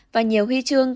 và nhiều huy chương